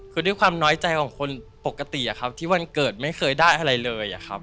คือด้วยความน้อยใจของคนปกติอะครับที่วันเกิดไม่เคยได้อะไรเลยครับ